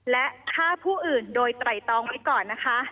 และฆ่าผู้อื่นโดยไตรตองไว้ก่อนนะคะ